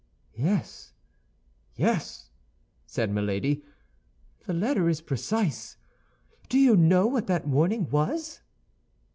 "Yes, yes," said Milady; "the letter is precise. Do you know what that warning was?"